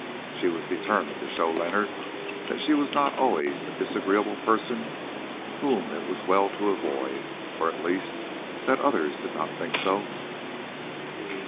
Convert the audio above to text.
She was determined to show Leonard that she was not always a disagreeable person whom it was well to avoid, or at least that others did not think so.